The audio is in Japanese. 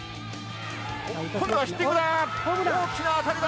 今度はヒッティングだ！